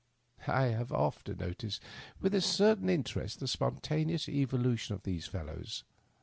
I have often noticed with a certain interest the Bpontaneons eyolution of these fellows.